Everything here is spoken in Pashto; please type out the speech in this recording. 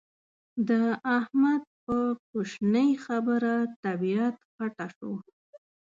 د احمد په کوشنۍ خبره طبيعت خټه شو.